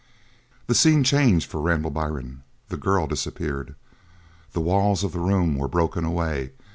The scene changed for Randall Byrne. The girl disappeared. The walls of the room were broken away.